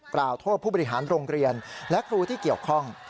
กล่าวโทษผู้บริหารโรงเรียนและครูที่เกี่ยวข้อง